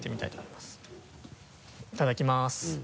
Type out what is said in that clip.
いただきます。